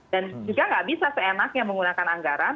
dan juga nggak bisa seenaknya menggunakan anggaran